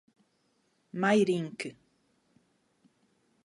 Mairinque